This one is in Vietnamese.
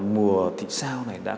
mùa thị sao này cũng đã thuê